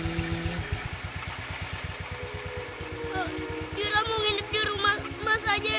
nadira mau nginep di rumah mas aja ya